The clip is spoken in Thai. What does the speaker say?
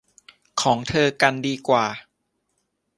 ของเธอกันดีกว่า